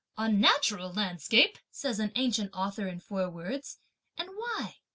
'A natural landscape,' says, an ancient author in four words; and why?